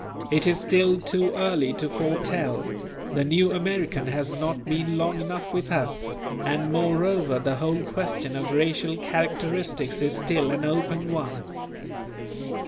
It is still too early to foretell; the new American has not been long enough with us, and moreover the whole question of racial characteristics is still an open one.